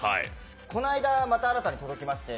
この間また新たに届きまして。